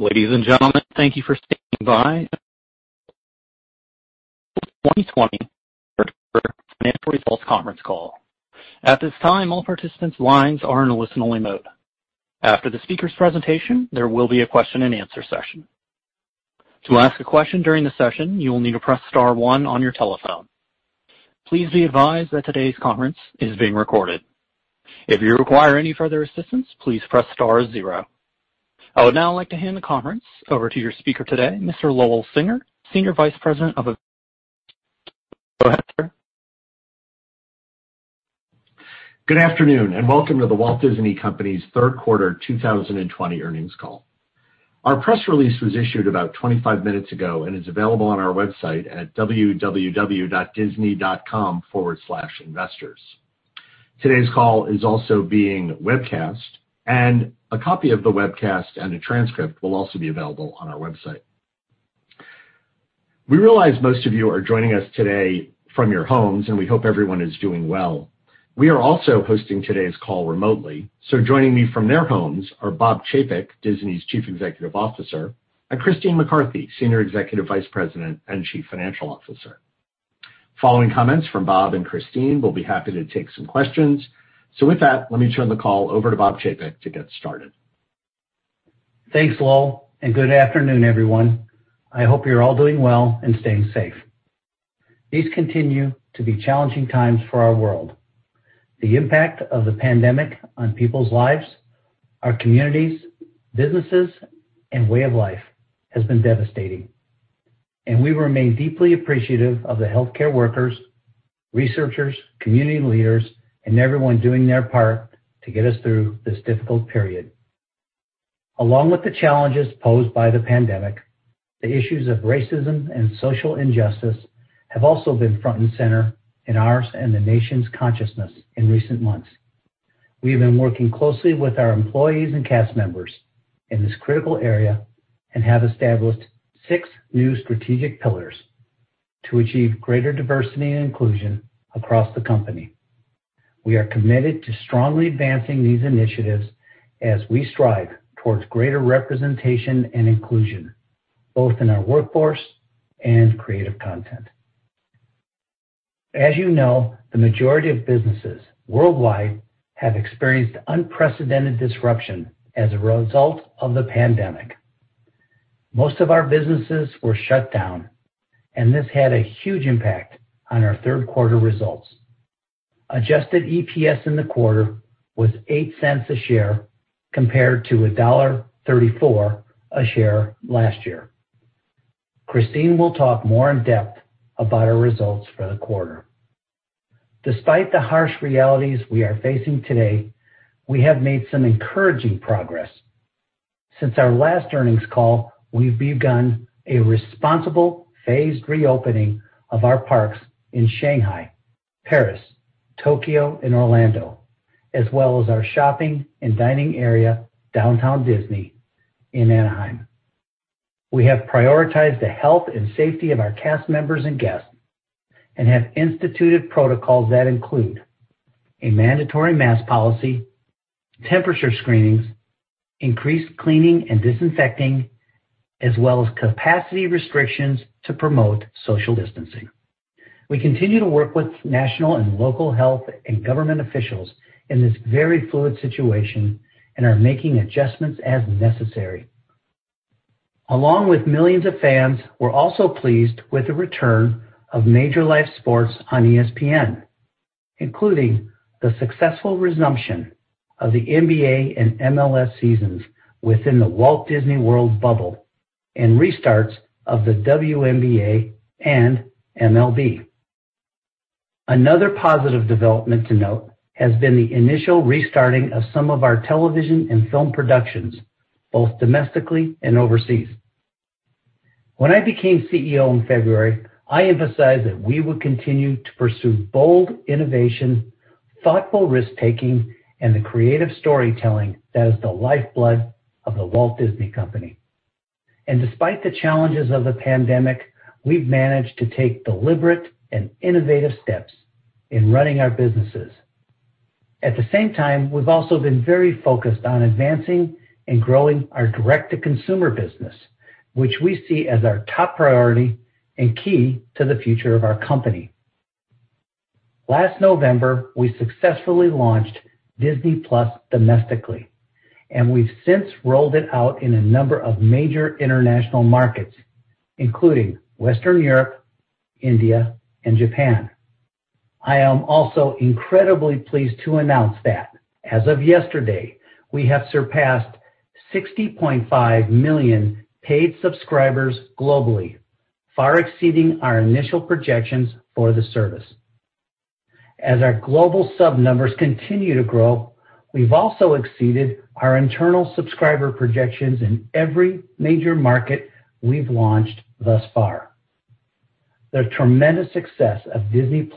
Ladies and gentlemen, thank you for standing by 2020 third quarter financial results conference call. At this time, all participants' lines are in listen-only mode. After the speaker's presentation, there will be a question and answer session. To ask a question during the session, you will need to press star one on your telephone. Please be advised that today's conference is being recorded. If you require any further assistance, please press star zero. I would now like to hand the conference over to your speaker today, Mr. Lowell Singer, Senior Vice President. Go ahead, sir. Good afternoon, welcome to The Walt Disney Company's Third Quarter 2020 Earnings Call. Our press release was issued about 25 minutes ago and is available on our website at www.disney.com/investors. Today's call is also being webcast, a copy of the webcast and a transcript will also be available on our website. We realize most of you are joining us today from your homes, we hope everyone is doing well. We are also hosting today's call remotely, joining me from their homes are Bob Chapek, Disney's Chief Executive Officer, and Christine McCarthy, Senior Executive Vice President and Chief Financial Officer. Following comments from Bob and Christine, we'll be happy to take some questions. With that, let me turn the call over to Bob Chapek to get started. Thanks, Lowell. Good afternoon, everyone. I hope you're all doing well and staying safe. These continue to be challenging times for our world. The impact of the pandemic on people's lives, our communities, businesses, and way of life has been devastating, and we remain deeply appreciative of the healthcare workers, researchers, community leaders, and everyone doing their part to get us through this difficult period. Along with the challenges posed by the pandemic, the issues of racism and social injustice have also been front and center in ours and the nation's consciousness in recent months. We have been working closely with our employees and cast members in this critical area and have established six new strategic pillars to achieve greater diversity and inclusion across the company. We are committed to strongly advancing these initiatives as we strive towards greater representation and inclusion, both in our workforce and creative content. As you know, the majority of businesses worldwide have experienced unprecedented disruption as a result of the pandemic. Most of our businesses were shut down, and this had a huge impact on our third quarter results. Adjusted EPS in the quarter was $0.08 a share compared to $1.34 a share last year. Christine will talk more in depth about our results for the quarter. Despite the harsh realities we are facing today, we have made some encouraging progress. Since our last earnings call, we've begun a responsible phased reopening of our parks in Shanghai, Paris, Tokyo, and Orlando, as well as our shopping and dining area, Downtown Disney in Anaheim. We have prioritized the health and safety of our cast members and guests and have instituted protocols that include a mandatory mask policy, temperature screenings, increased cleaning and disinfecting, as well as capacity restrictions to promote social distancing. We continue to work with national and local health and government officials in this very fluid situation and are making adjustments as necessary. Along with millions of fans, we're also pleased with the return of major live sports on ESPN, including the successful resumption of the NBA and MLS seasons within the Walt Disney World bubble and restarts of the WNBA and MLB. Another positive development to note has been the initial restarting of some of our television and film productions, both domestically and overseas. When I became CEO in February, I emphasized that we would continue to pursue bold innovation, thoughtful risk-taking, and the creative storytelling that is the lifeblood of The Walt Disney Company. Despite the challenges of the pandemic, we've managed to take deliberate and innovative steps in running our businesses. At the same time, we've also been very focused on advancing and growing our direct-to-consumer business, which we see as our top priority and key to the future of our company. Last November, we successfully launched Disney+ domestically, and we've since rolled it out in a number of major international markets, including Western Europe, India, and Japan. I am also incredibly pleased to announce that as of yesterday, we have surpassed 60.5 million paid subscribers globally, far exceeding our initial projections for the service. As our global sub numbers continue to grow, we've also exceeded our internal subscriber projections in every major market we've launched thus far. The tremendous success of Disney+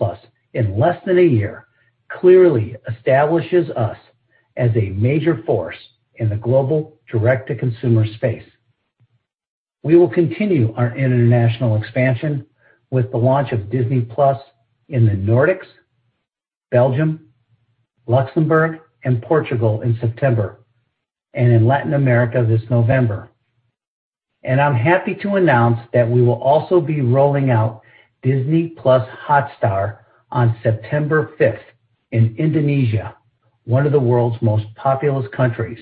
in less than a year clearly establishes us as a major force in the global direct-to-consumer space. We will continue our international expansion with the launch of Disney+ in the Nordics, Belgium, Luxembourg, and Portugal in September, and in Latin America this November. I'm happy to announce that we will also be rolling out Disney+ Hotstar on September 5th in Indonesia, one of the world's most populous countries.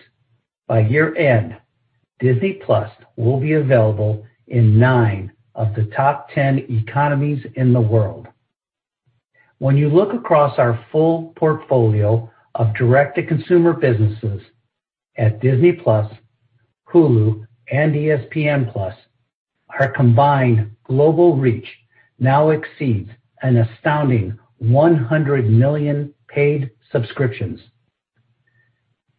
By year-end, Disney+ will be available in nine of the top 10 economies in the world. When you look across our full portfolio of direct-to-consumer businesses at Disney+, Hulu, and ESPN+, our combined global reach now exceeds an astounding 100 million paid subscriptions.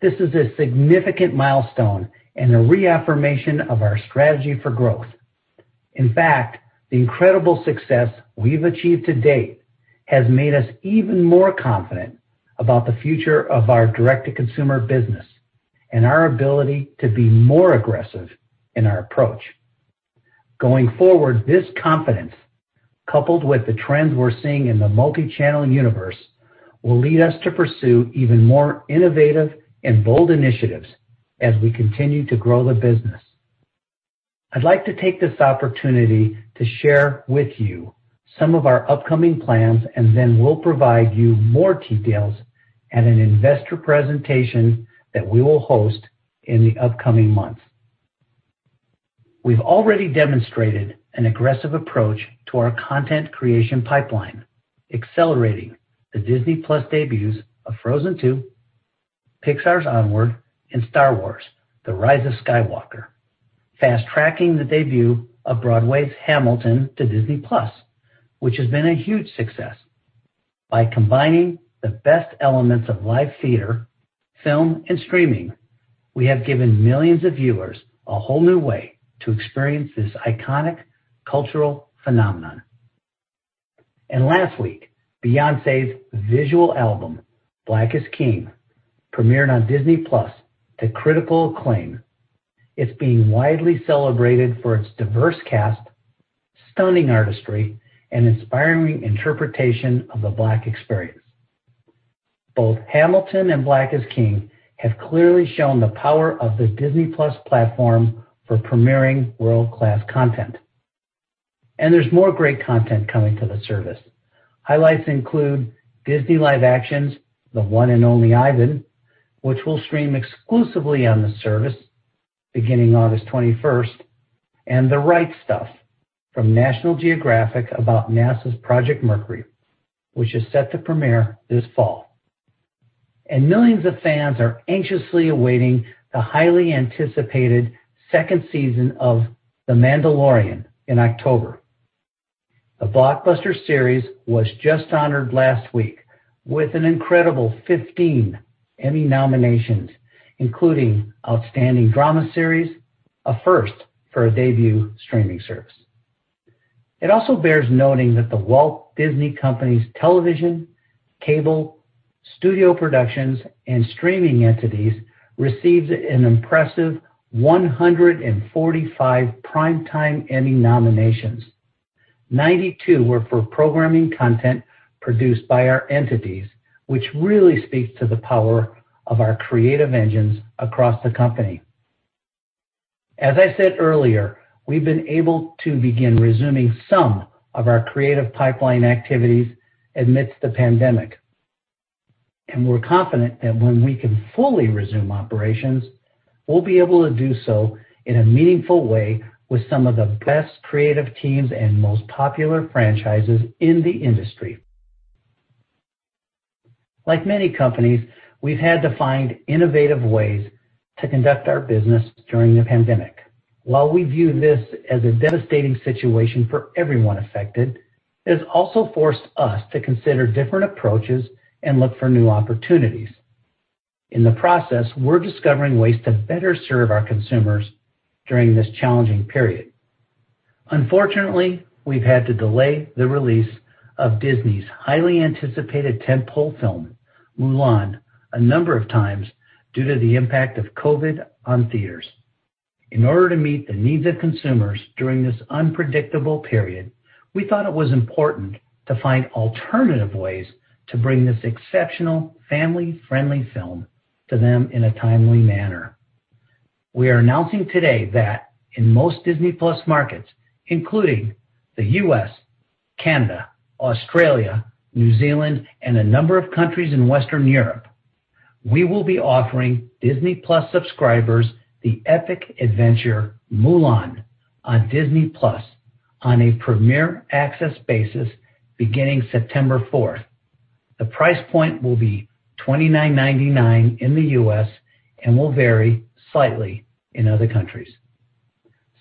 This is a significant milestone and a reaffirmation of our strategy for growth. In fact, the incredible success we've achieved to date has made us even more confident about the future of our direct-to-consumer business and our ability to be more aggressive in our approach. Going forward, this confidence, coupled with the trends we're seeing in the multi-channel universe, will lead us to pursue even more innovative and bold initiatives as we continue to grow the business. I'd like to take this opportunity to share with you some of our upcoming plans, and then we'll provide you more details at an investor presentation that we will host in the upcoming months. We've already demonstrated an aggressive approach to our content creation pipeline, accelerating the Disney+ debuts of Frozen 2, Pixar's Onward, and Star Wars: The Rise of Skywalker, fast-tracking the debut of Broadway's Hamilton to Disney+, which has been a huge success. By combining the best elements of live theater, film, and streaming, we have given millions of viewers a whole new way to experience this iconic cultural phenomenon. Last week, Beyoncé's visual album, Black Is King, premiered on Disney+ to critical acclaim. It's being widely celebrated for its diverse cast, stunning artistry, and inspiring interpretation of the Black experience. Both Hamilton and Black Is King have clearly shown the power of the Disney+ platform for premiering world-class content. There's more great content coming to the service. Highlights include Disney Live Actions, The One and Only Ivan, which will stream exclusively on the service beginning August 21st, and The Right Stuff from National Geographic about NASA's Project Mercury, which is set to premiere this fall. Millions of fans are anxiously awaiting the highly anticipated second season of The Mandalorian in October. The blockbuster series was just honored last week with an incredible 15 Emmy nominations, including Outstanding Drama Series, a first for a debut streaming service. It also bears noting that The Walt Disney Company's television, cable, studio productions, and streaming entities received an impressive 145 Primetime Emmy nominations. 92 were for programming content produced by our entities, which really speaks to the power of our creative engines across the company. As I said earlier, we've been able to begin resuming some of our creative pipeline activities amidst the pandemic. We're confident that when we can fully resume operations, we'll be able to do so in a meaningful way with some of the best creative teams and most popular franchises in the industry. Like many companies, we've had to find innovative ways to conduct our business during the pandemic. While we view this as a devastating situation for everyone affected, it has also forced us to consider different approaches and look for new opportunities. In the process, we're discovering ways to better serve our consumers during this challenging period. Unfortunately, we've had to delay the release of Disney's highly anticipated tent-pole film, Mulan, a number of times due to the impact of COVID-19 on theaters. In order to meet the needs of consumers during this unpredictable period, we thought it was important to find alternative ways to bring this exceptional family-friendly film to them in a timely manner. We are announcing today that in most Disney+ markets, including the U.S., Canada, Australia, New Zealand, and a number of countries in Western Europe, we will be offering Disney+ subscribers the epic adventure Mulan on Disney+ on a Premier Access-basis beginning September 4th. The price point will be $29.99 in the U.S. and will vary slightly in other countries.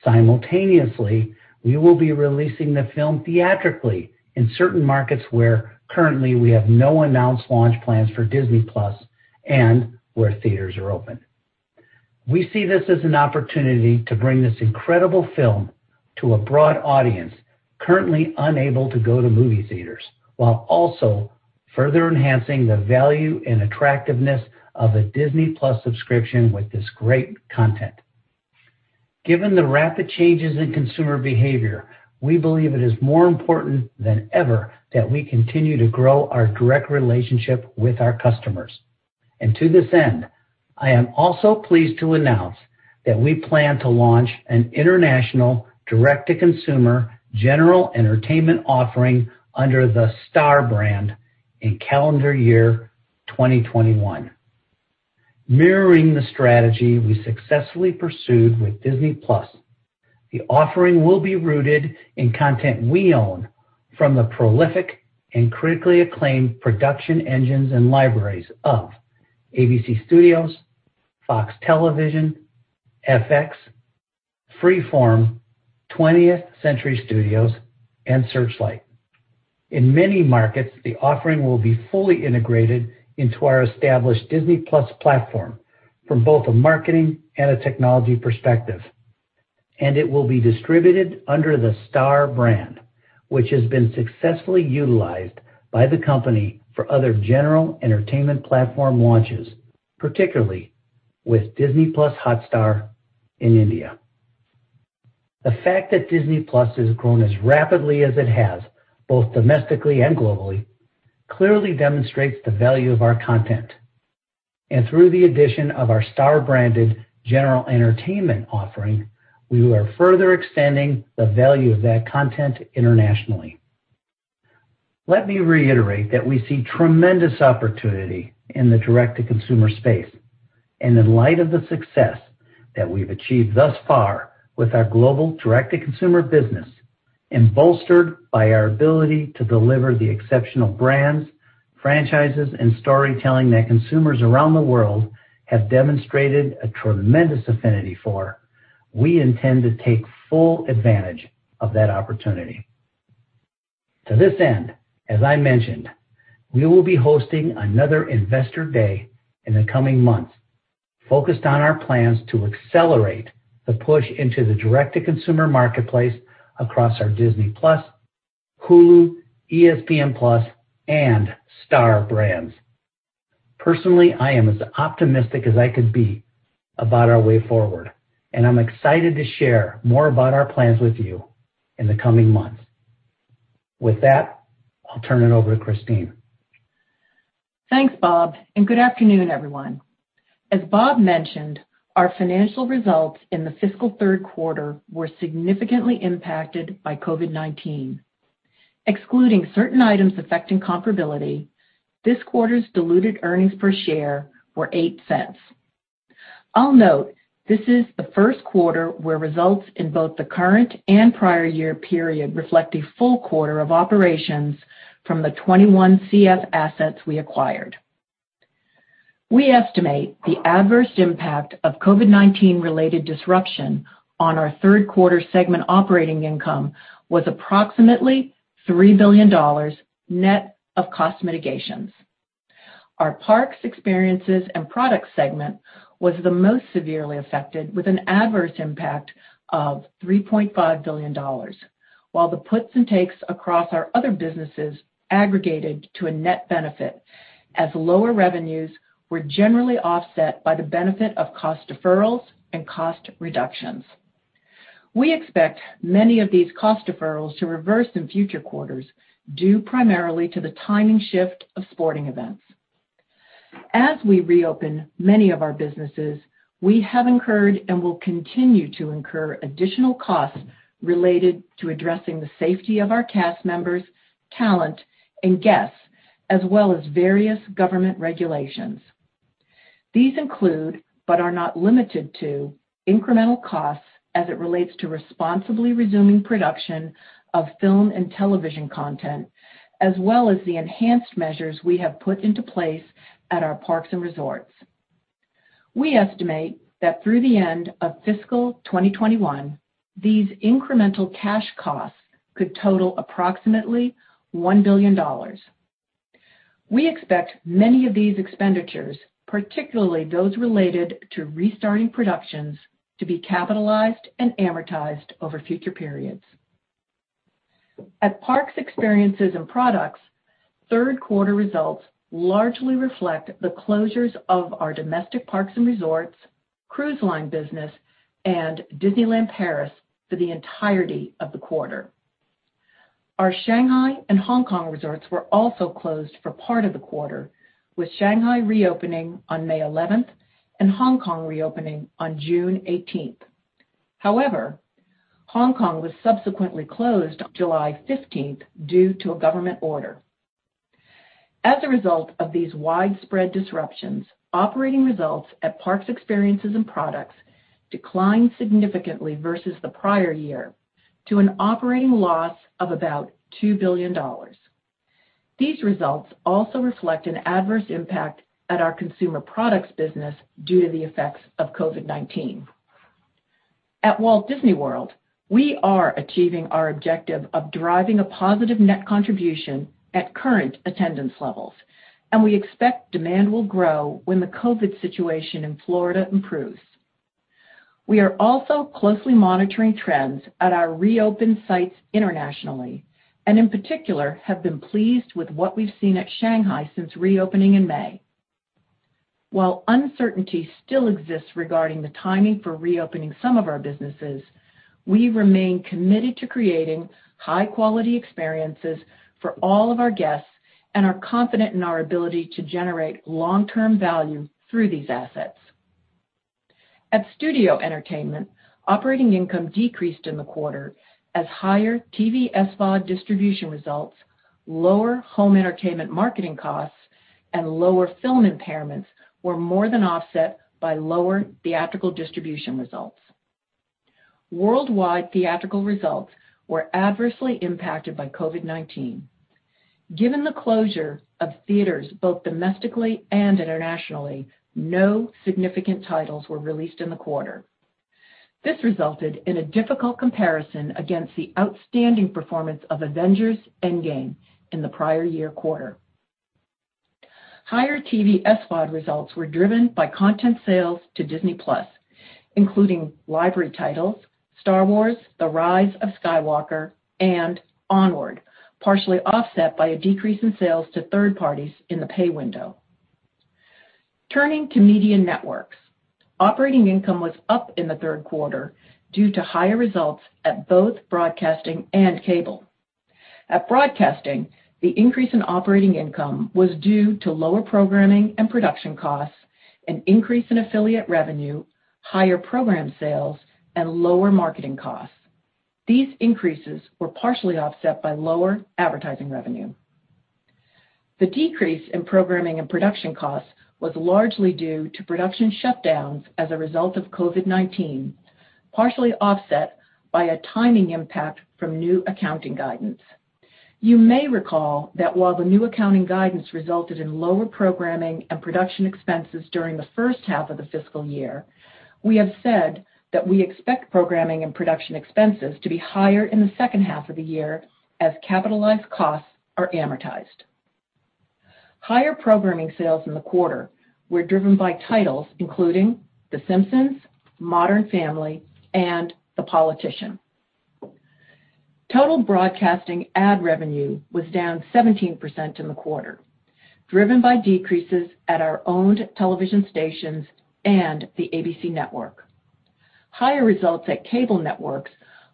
Simultaneously, we will be releasing the film theatrically in certain markets where currently we have no announced launch plans for Disney+ and where theaters are open. We see this as an opportunity to bring this incredible film to a broad audience currently unable to go to movie theaters, while also further enhancing the value and attractiveness of a Disney+ subscription with this great content. Given the rapid changes in consumer behavior, we believe it is more important than ever that we continue to grow our direct relationship with our customers. To this end, I am also pleased to announce that we plan to launch an international direct-to-consumer general entertainment offering under the Star brand in calendar year 2021. Mirroring the strategy we successfully pursued with Disney+, the offering will be rooted in content we own from the prolific and critically acclaimed production engines and libraries of ABC Studios, FOX Television, FX, Freeform, 20th Century Studios, and Searchlight. In many markets, the offering will be fully integrated into our established Disney+ platform from both a marketing and a technology perspective, and it will be distributed under the Star brand, which has been successfully utilized by the company for other general entertainment platform launches, particularly with Disney+ Hotstar in India. The fact that Disney+ has grown as rapidly as it has, both domestically and globally, clearly demonstrates the value of our content. Through the addition of our Star-branded general entertainment offering, we are further extending the value of that content internationally. Let me reiterate that we see tremendous opportunity in the direct-to-consumer space. In light of the success that we've achieved thus far with our global direct-to-consumer business, and bolstered by our ability to deliver the exceptional brands, franchises, and storytelling that consumers around the world have demonstrated a tremendous affinity for, we intend to take full advantage of that opportunity. To this end, as I mentioned, we will be hosting another Investor Day in the coming months focused on our plans to accelerate the push into the direct-to-consumer marketplace across our Disney+, Hulu, ESPN+, and Star brands. Personally, I am as optimistic as I could be about our way forward, and I'm excited to share more about our plans with you in the coming months. With that, I'll turn it over to Christine. Thanks, Bob, and good afternoon, everyone. As Bob mentioned, our financial results in the fiscal third quarter were significantly impacted by COVID-19. Excluding certain items affecting comparability, this quarter's diluted EPS were $0.08. I'll note this is the first quarter where results in both the current and prior year period reflect a full quarter of operations from the 21CF assets we acquired. We estimate the adverse impact of COVID-19-related disruption on our third quarter segment operating income was approximately $3 billion net of cost mitigations. Our Parks, Experiences and Products segment was the most severely affected, with an adverse impact of $3.5 billion. While the puts and takes across our other businesses aggregated to a net benefit as lower revenues were generally offset by the benefit of cost deferrals and cost reductions. We expect many of these cost deferrals to reverse in future quarters due primarily to the timing shift of sporting events. As we reopen many of our businesses, we have incurred and will continue to incur additional costs related to addressing the safety of our cast members, talent, and guests, as well as various government regulations. These include, but are not limited to, incremental costs as it relates to responsibly resuming production of film and television content, as well as the enhanced measures we have put into place at our parks and resorts. We estimate that through the end of fiscal 2021, these incremental cash costs could total approximately $1 billion. We expect many of these expenditures, particularly those related to restarting productions, to be capitalized and amortized over future periods. At Parks, Experiences and Products, third quarter results largely reflect the closures of our domestic parks and resorts, cruise line business, and Disneyland Paris for the entirety of the quarter. Our Shanghai and Hong Kong resorts were also closed for part of the quarter, with Shanghai reopening on May 11th and Hong Kong reopening on June 18th. However, Hong Kong was subsequently closed on July 15th due to a government order. As a result of these widespread disruptions, operating results at Parks, Experiences and Products declined significantly versus the prior year to an operating loss of about $2 billion. These results also reflect an adverse impact at our consumer products business due to the effects of COVID-19. At Walt Disney World, we are achieving our objective of driving a positive net contribution at current attendance levels, and we expect demand will grow when the COVID situation in Florida improves. We are also closely monitoring trends at our reopened sites internationally, and in particular, have been pleased with what we've seen at Shanghai since reopening in May. While uncertainty still exists regarding the timing for reopening some of our businesses, we remain committed to creating high-quality experiences for all of our guests and are confident in our ability to generate long-term value through these assets. At Studio Entertainment, operating income decreased in the quarter as higher TV/SVOD distribution results, lower home entertainment marketing costs, and lower film impairments were more than offset by lower theatrical distribution results. Worldwide theatrical results were adversely impacted by COVID-19. Given the closure of theaters both domestically and internationally, no significant titles were released in the quarter. This resulted in a difficult comparison against the outstanding performance of "Avengers: Endgame" in the prior year quarter. Higher TV/SVOD results were driven by content sales to Disney+, including library titles, "Star Wars: The Rise of Skywalker," and "Onward," partially offset by a decrease in sales to third parties in the pay window. Turning to Media Networks. Operating income was up in the third quarter due to higher results at both broadcasting and cable. At broadcasting, the increase in operating income was due to lower programming and production costs, an increase in affiliate revenue, higher program sales, and lower marketing costs. These increases were partially offset by lower advertising revenue. The decrease in programming and production costs was largely due to production shutdowns as a result of COVID-19, partially offset by a timing impact from new accounting guidance. You may recall that while the new accounting guidance resulted in lower programming and production expenses during the first half of the fiscal year, we have said that we expect programming and production expenses to be higher in the second half of the year as capitalized costs are amortized. Higher programming sales in the quarter were driven by titles including "The Simpsons," "Modern Family," and "The Politician." Total broadcasting ad revenue was down 17% in the quarter, driven by decreases at our owned television stations and the ABC network. Higher results at cable networks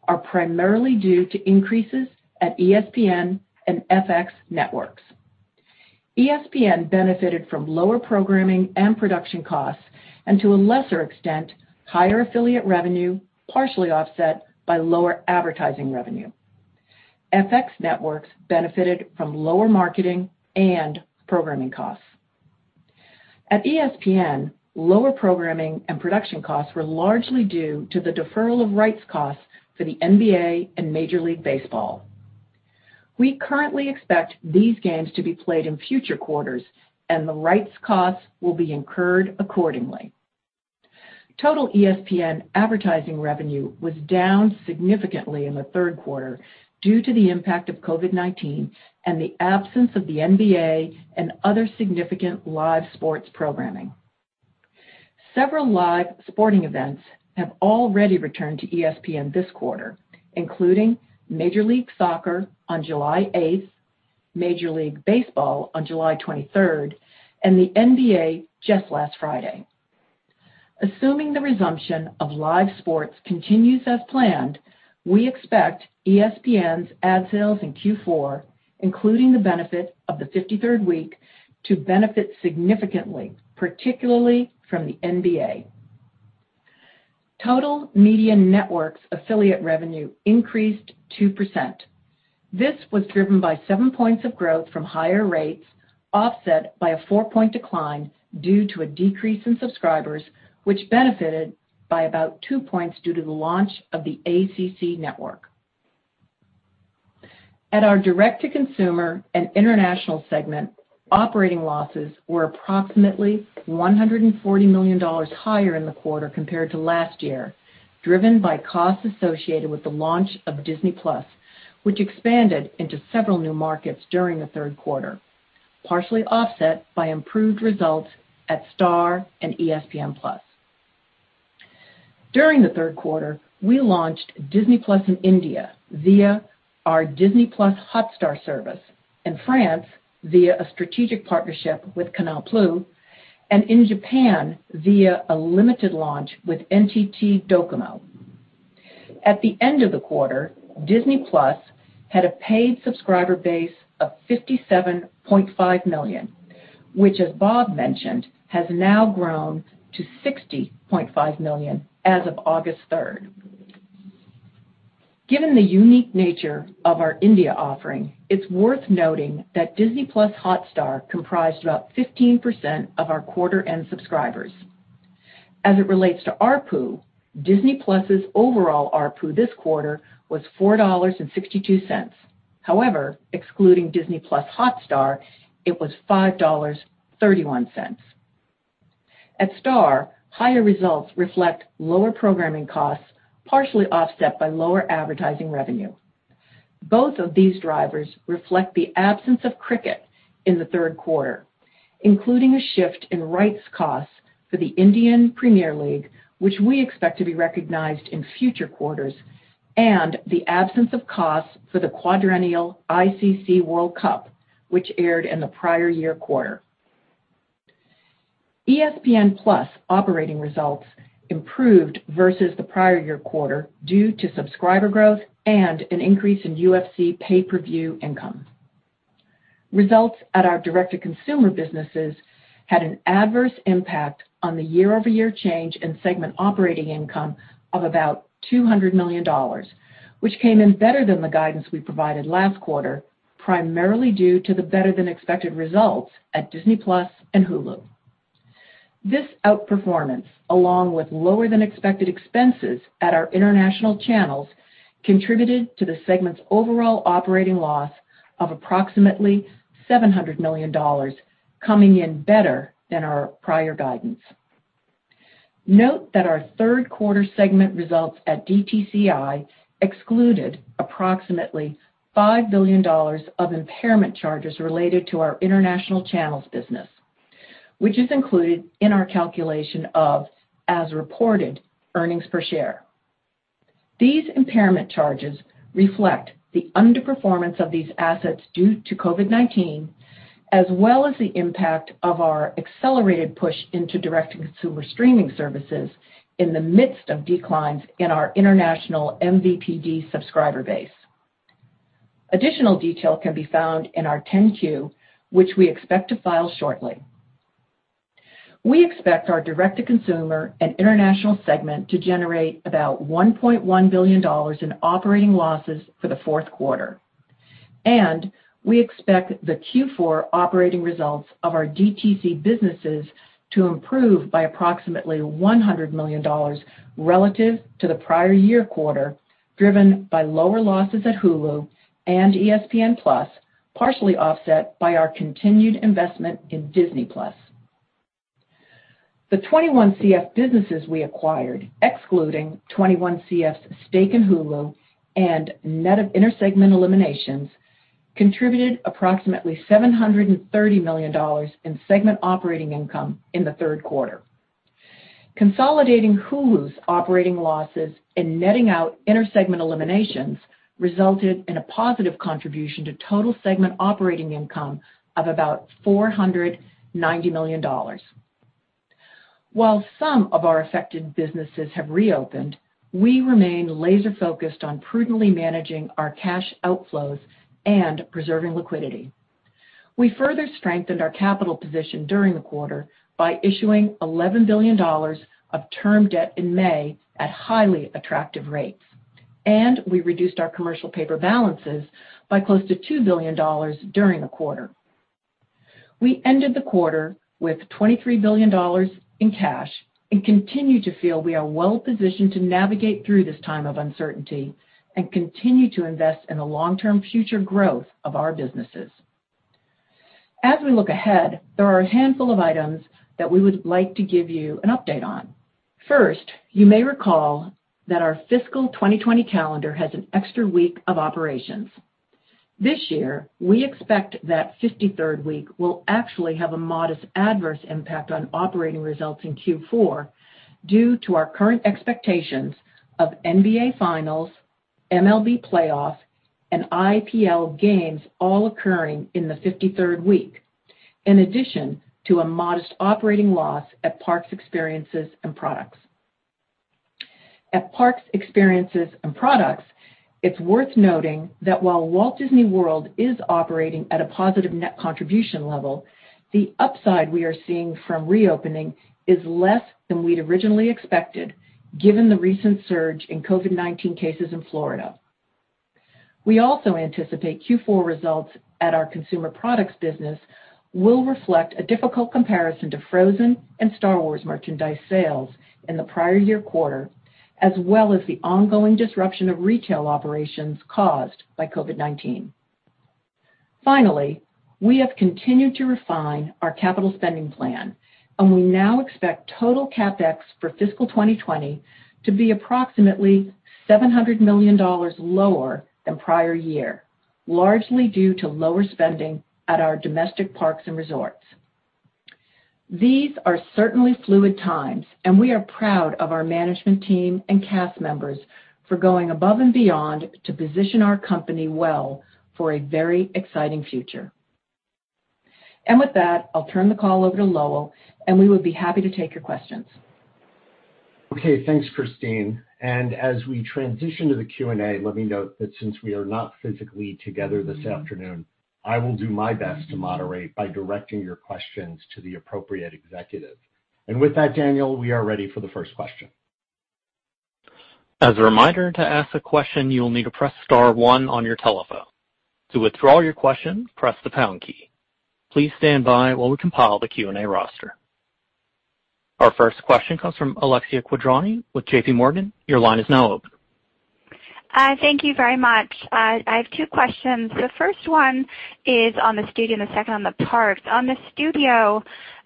are primarily due to increases at ESPN and FX Networks. ESPN benefited from lower programming and production costs, and to a lesser extent, higher affiliate revenue, partially offset by lower advertising revenue. FX Networks benefited from lower marketing and programming costs. At ESPN, lower programming and production costs were largely due to the deferral of rights costs for the NBA and Major League Baseball. We currently expect these games to be played in future quarters, and the rights costs will be incurred accordingly. Total ESPN advertising revenue was down significantly in the third quarter due to the impact of COVID-19 and the absence of the NBA and other significant live sports programming. Several live sporting events have already returned to ESPN this quarter including Major League Soccer on July 8th, Major League Baseball on July 23rd, and the NBA just last Friday. Assuming the resumption of live sports continues as planned, we expect ESPN's ad sales in Q4, including the benefit of the 53rd week, to benefit significantly, particularly from the NBA. Total media networks affiliate revenue increased 2%. This was driven by 7 points of growth from higher rates, offset by a 4-point decline due to a decrease in subscribers, which benefited by about 2 points due to the launch of the ACC Network. At our Direct-to-Consumer & International segment, operating losses were approximately $140 million higher in the quarter compared to last year, driven by costs associated with the launch of Disney+, which expanded into several new markets during the third quarter, partially offset by improved results at Star and ESPN+. During the third quarter, we launched Disney+ in India via our Disney+ Hotstar service, in France via a strategic partnership with Canal+, and in Japan via a limited launch with NTT DOCOMO. At the end of the quarter, Disney+ had a paid subscriber base of 57.5 million, which as Bob mentioned, has now grown to 60.5 million as of August 3rd. Given the unique nature of our India offering, it's worth noting that Disney+ Hotstar comprised about 15% of our quarter end subscribers. As it relates to ARPU, Disney+'s overall ARPU this quarter was $4.62. However, excluding Disney+ Hotstar, it was $5.31. At Star, higher results reflect lower programming costs, partially offset by lower advertising revenue. Both of these drivers reflect the absence of cricket in the third quarter, including a shift in rights costs for the Indian Premier League, which we expect to be recognized in future quarters, and the absence of costs for the quadrennial ICC World Cup, which aired in the prior year quarter. ESPN+ operating results improved versus the prior year quarter due to subscriber growth and an increase in UFC pay-per-view income. Results at our Direct-to-Consumer businesses had an adverse impact on the year-over-year change in segment operating income of about $200 million, which came in better than the guidance we provided last quarter, primarily due to the better-than-expected results at Disney+ and Hulu. This outperformance, along with lower-than-expected expenses at our international channels, contributed to the segment's overall operating loss of approximately $700 million, coming in better than our prior guidance. Note our third quarter segment results at DTCI excluded approximately $5 billion of impairment charges related to our International Channels business, which is included in our calculation of as-reported earnings per share. These impairment charges reflect the underperformance of these assets due to COVID-19, as well as the impact of our accelerated push into Direct-to-Consumer streaming services in the midst of declines in our international MVPD subscriber base. Additional detail can be found in our 10-Q, which we expect to file shortly. We expect our Direct-to-Consumer and International segment to generate about $1.1 billion in operating losses for the fourth quarter, and we expect the Q4 operating results of our DTC businesses to improve by approximately $100 million relative to the prior year quarter, driven by lower losses at Hulu and ESPN+, partially offset by our continued investment in Disney+. The 21CF businesses we acquired, excluding 21CF's stake in Hulu and net of intersegment eliminations, contributed approximately $730 million in segment operating income in the third quarter. Consolidating Hulu's operating losses and netting out intersegment eliminations resulted in a positive contribution to total segment operating income of about $490 million. While some of our affected businesses have reopened, we remain laser-focused on prudently managing our cash outflows and preserving liquidity. We further strengthened our capital position during the quarter by issuing $11 billion of term debt in May at highly attractive rates, and we reduced our commercial paper balances by close to $2 billion during the quarter. We ended the quarter with $23 billion in cash and continue to feel we are well positioned to navigate through this time of uncertainty and continue to invest in the long-term future growth of our businesses. As we look ahead, there are a handful of items that we would like to give you an update on. First, you may recall that our fiscal 2020 calendar has an extra week of operations. This year, we expect that 53rd week will actually have a modest adverse impact on operating results in Q4 due to our current expectations of NBA finals, MLB playoffs, and IPL games all occurring in the 53rd week. In addition to a modest operating loss at Parks, Experiences and Products. At Parks, Experiences and Products, it's worth noting that while Walt Disney World is operating at a positive net contribution level, the upside we are seeing from reopening is less than we'd originally expected, given the recent surge in COVID-19 cases in Florida. We also anticipate Q4 results at our consumer products business will reflect a difficult comparison to Frozen and Star Wars merchandise sales in the prior year quarter, as well as the ongoing disruption of retail operations caused by COVID-19. Finally, we have continued to refine our capital spending plan, and we now expect total CapEx for fiscal 2020 to be approximately $700 million lower than prior year, largely due to lower spending at our domestic parks and resorts. These are certainly fluid times, and we are proud of our management team and cast members for going above and beyond to position our company well for a very exciting future. With that, I'll turn the call over to Lowell, and we would be happy to take your questions. Okay. Thanks, Christine. As we transition to the Q&A, let me note that since we are not physically together this afternoon, I will do my best to moderate by directing your questions to the appropriate executive. With that, Daniel, we are ready for the first question. As a reminder, to ask a question, you will need to press star one on your telephone. To withdraw your question, press the pound key. Please stand by while we compile the Q&A roster. Our first question comes from Alexia Quadrani with JPMorgan. Your line is now open. Thank you very much. I have two questions. The first one is on the studio and the second on the parks. On the studio,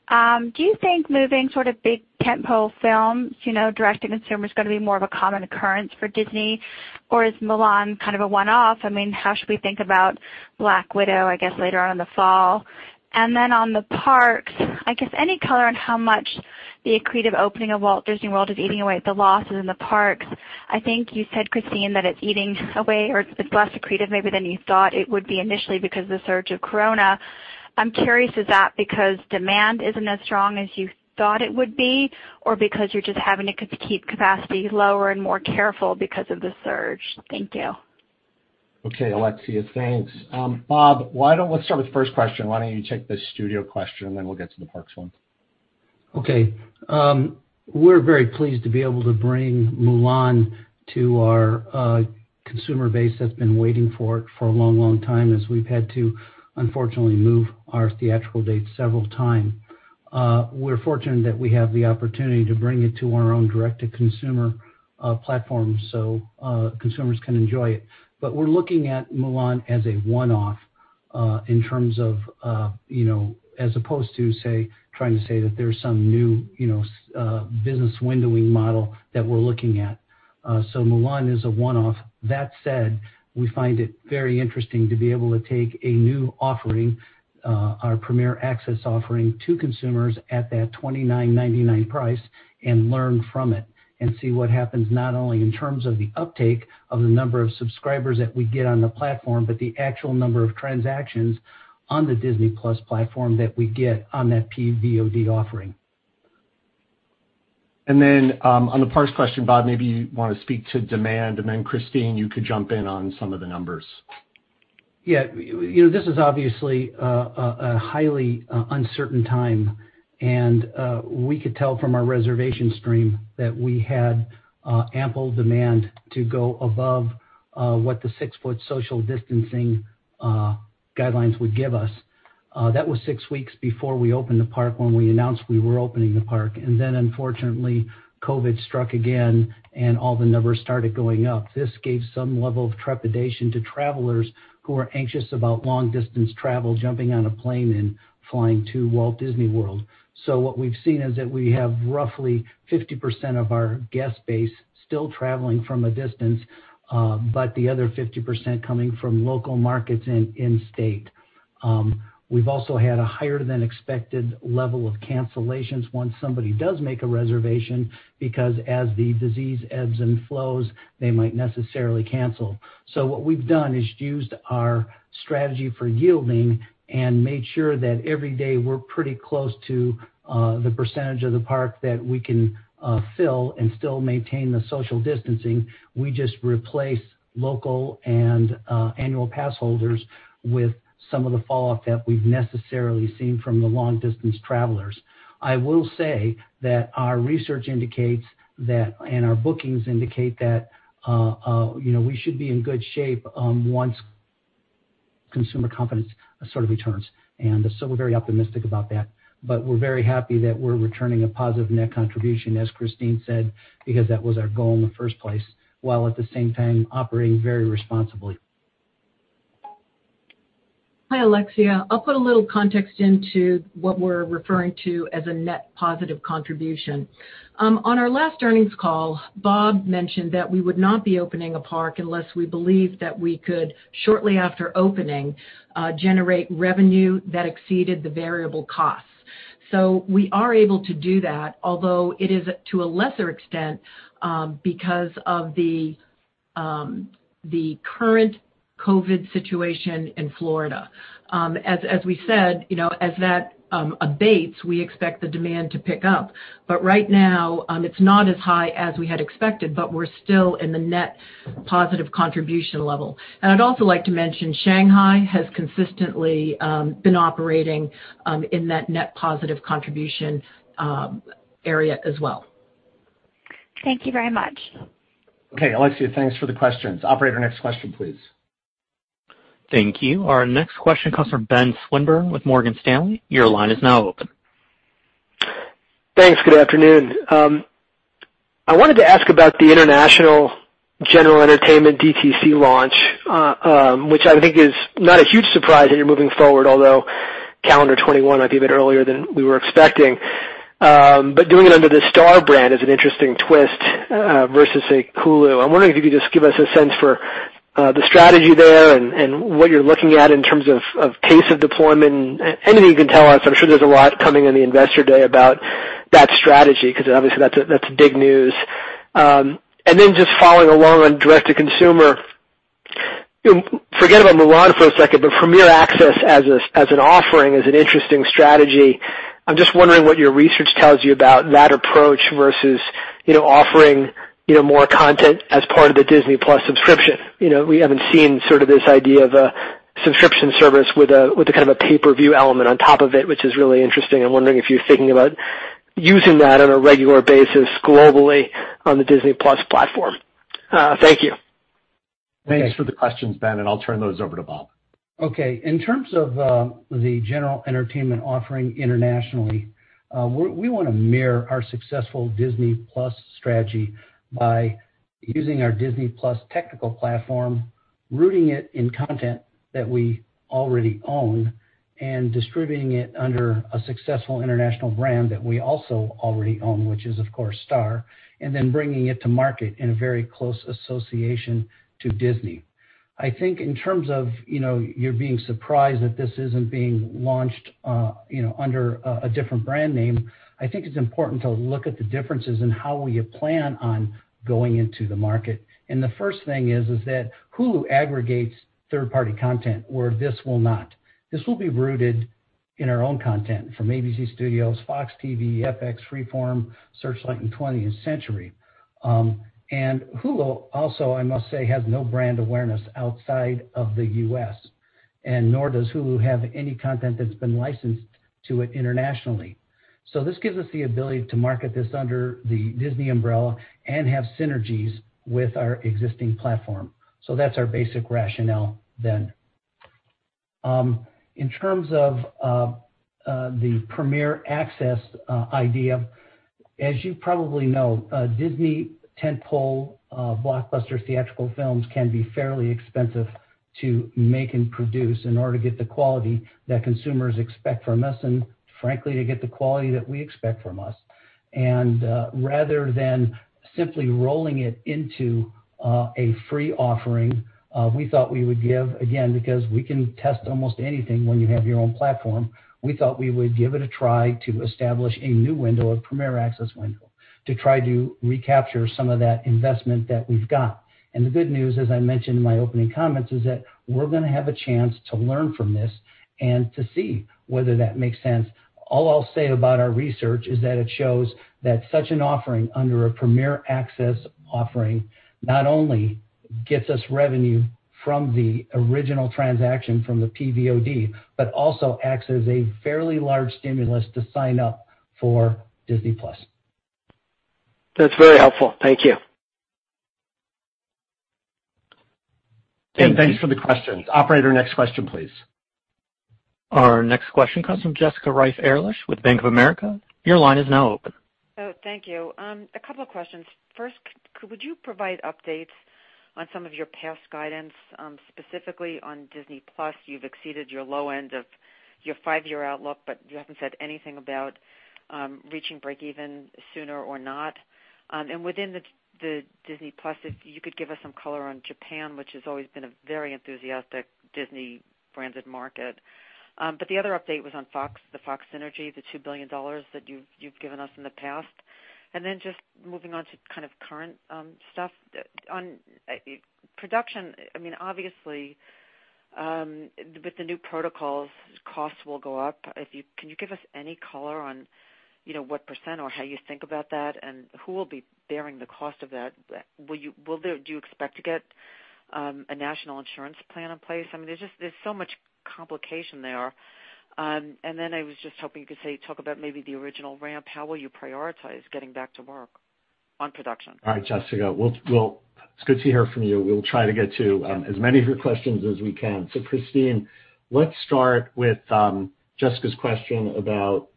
do you think moving big tentpole films direct to consumer is going to be more of a common occurrence for Disney, or is Mulan kind of a one-off? How should we think about Black Widow, I guess, later on in the fall? On the parks, I guess any color on how much the accretive opening of Walt Disney World is eating away at the losses in the parks. I think you said, Christine, that it's eating away or it's less accretive maybe than you thought it would be initially because of the surge of COVID-19. I'm curious, is that because demand isn't as strong as you thought it would be, or because you're just having to keep capacity lower and more careful because of the surge? Thank you. Okay, Alexia, thanks. Bob, let's start with the first question. Why don't you take the studio question, and then we'll get to the parks one. Okay. We're very pleased to be able to bring "Mulan" to our consumer base that's been waiting for it for a long time, as we've had to unfortunately move our theatrical date several times. We're fortunate that we have the opportunity to bring it to our own direct-to-consumer platform so consumers can enjoy it. We're looking at "Mulan" as a one-off as opposed to trying to say that there's some new business windowing model that we're looking at. "Mulan" is a one-off. That said, we find it very interesting to be able to take a new offering, our Premier Access offering, to consumers at that $29.99 price and learn from it and see what happens, not only in terms of the uptake of the number of subscribers that we get on the platform, but the actual number of transactions on the Disney+ platform that we get on that PVOD offering. On the parks question, Bob, maybe you want to speak to demand, and then Christine, you could jump in on some of the numbers. This is obviously a highly uncertain time, and we could tell from our reservation stream that we had ample demand to go above what the 6 ft social distancing guidelines would give us. That was six weeks before we opened the park, when we announced we were opening the park. Unfortunately, COVID struck again and all the numbers started going up. This gave some level of trepidation to travelers who are anxious about long-distance travel, jumping on a plane and flying to Walt Disney World. What we've seen is that we have roughly 50% of our guest base still traveling from a distance, but the other 50% coming from local markets and in-state. We've also had a higher-than-expected level of cancellations once somebody does make a reservation, because as the disease ebbs and flows, they might necessarily cancel. What we've done is used our strategy for yielding and made sure that every day we're pretty close to the percentage of the park that we can fill and still maintain the social distancing. We just replace local and annual pass holders with some of the fallout that we've necessarily seen from the long-distance travelers. I will say that our research indicates that, and our bookings indicate that we should be in good shape once consumer confidence sort of returns. We're very optimistic about that. We're very happy that we're returning a positive net contribution, as Christine said, because that was our goal in the first place, while at the same time operating very responsibly. Hi, Alexia. I'll put a little context into what we're referring to as a net positive contribution. On our last earnings call, Bob mentioned that we would not be opening a park unless we believed that we could, shortly after opening, generate revenue that exceeded the variable costs. We are able to do that, although it is to a lesser extent because of the current COVID situation in Florida. As we said, as that abates, we expect the demand to pick up. Right now, it's not as high as we had expected, but we're still in the net positive contribution level. I'd also like to mention Shanghai has consistently been operating in that net positive contribution area as well. Thank you very much. Okay, Alexia, thanks for the questions. Operator, next question, please. Thank you. Our next question comes from Ben Swinburne with Morgan Stanley. Your line is now open. Thanks. Good afternoon. I wanted to ask about the international general entertainment DTC launch, which I think is not a huge surprise that you're moving forward, although calendar 2021 might be a bit earlier than we were expecting. Doing it under the Star brand is an interesting twist versus, say, Hulu. I'm wondering if you could just give us a sense for the strategy there and what you're looking at in terms of pace of deployment and anything you can tell us. I'm sure there's a lot coming in the Investor Day about that strategy because obviously that's big news. Just following along on direct to consumer, forget about "Mulan" for a second, but Premier Access as an offering is an interesting strategy. I'm just wondering what your research tells you about that approach versus offering more content as part of the Disney+ subscription. We haven't seen sort of this idea of a subscription service with a kind of a pay-per-view element on top of it, which is really interesting. I'm wondering if you're thinking about using that on a regular basis globally on the Disney+ platform. Thank you. Thanks for the questions, Ben, and I'll turn those over to Bob. In terms of the general entertainment offering internationally, we want to mirror our successful Disney+ strategy by using our Disney+ technical platform, rooting it in content that we already own, and distributing it under a successful international brand that we also already own, which is, of course, Star, then bringing it to market in a very close association to Disney. I think in terms of you being surprised that this isn't being launched under a different brand name, I think it's important to look at the differences in how we plan on going into the market. The first thing is that Hulu aggregates third-party content where this will not. This will be rooted in our own content from ABC Studios, FOX TV, FX, Freeform, Searchlight, and 20th Century. Hulu also, I must say, has no brand awareness outside of the U.S., nor does Hulu have any content that's been licensed to it internationally. This gives us the ability to market this under the Disney umbrella and have synergies with our existing platform. That's our basic rationale then. In terms of the Premier Access idea, as you probably know, Disney tentpole blockbuster theatrical films can be fairly expensive to make and produce in order to get the quality that consumers expect from us, and frankly, to get the quality that we expect from us. Rather than simply rolling it into a free offering, we thought we would give, again, because we can test almost anything when you have your own platform, we thought we would give it a try to establish a new window, a Premier Access window, to try to recapture some of that investment that we've got. The good news, as I mentioned in my opening comments, is that we're going to have a chance to learn from this and to see whether that makes sense. All I'll say about our research is that it shows that such an offering under a Premier Access offering not only gets us revenue from the original transaction from the PVOD, but also acts as a fairly large stimulus to sign up for Disney+. That's very helpful. Thank you. Ben, thanks for the questions. Operator, next question, please. Our next question comes from Jessica Reif Ehrlich with Bank of America. Your line is now open. Thank you. A couple of questions. First, would you provide updates on some of your past guidance, specifically on Disney+? You've exceeded your low end of your five-year outlook, but you haven't said anything about reaching breakeven sooner or not. Within the Disney+, if you could give us some color on Japan, which has always been a very enthusiastic Disney-branded market. The other update was on FOX, the FOX synergy, the $2 billion that you've given us in the past. Just moving on to current stuff. On production, obviously, with the new protocols, costs will go up. Can you give us any color on what percent or how you think about that, and who will be bearing the cost of that? Do you expect to get a national insurance plan in place? There's so much complication there. I was just hoping you could talk about maybe the original ramp. How will you prioritize getting back to work on production? All right, Jessica. It's good to hear from you. We'll try to get to as many of your questions as we can. Christine, let's start with Jessica's question about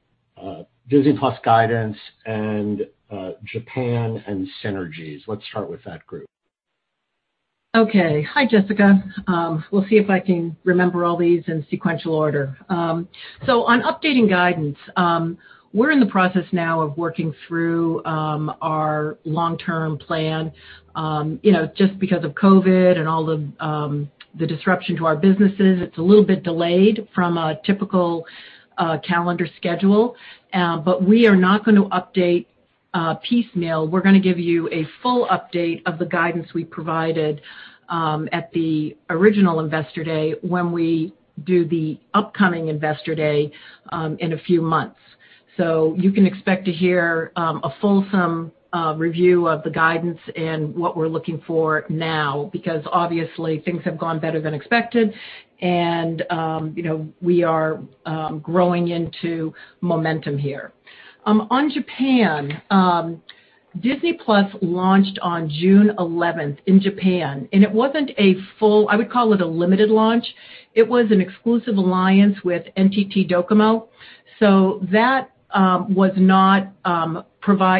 Disney+ guidance and Japan and synergies. Let's start with that group. Okay. Hi, Jessica. We'll see if I can remember all these in sequential order. On updating guidance, we're in the process now of working through our long-term plan. Just because of COVID and all of the disruption to our businesses, it's a little bit delayed from a typical calendar schedule. We are not going to update piecemeal. We're going to give you a full update of the guidance we provided at the original Investor Day when we do the upcoming Investor Day in a few months. You can expect to hear a fulsome review of the guidance and what we're looking for now, because obviously things have gone better than expected and we are growing into momentum here. On Japan, Disney+ launched on June 11th in Japan, and it wasn't a full-- I would call it a limited launch. It was an exclusive alliance with NTT DOCOMO.